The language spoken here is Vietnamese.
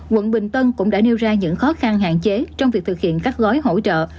quận bình tân cũng đã nêu ra những khó khăn hạn chế trong việc thực hiện các gói hỗ trợ